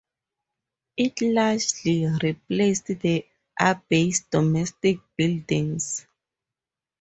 It largely replaced the abbey's domestic buildings.